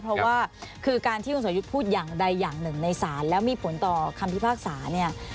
เพราะว่าคือการที่คุณสอยุทธ์พูดอย่างใดอย่างหนึ่งในศาลแล้วมีผลต่อคำพิพากษาเนี่ย